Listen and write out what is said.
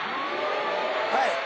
はい。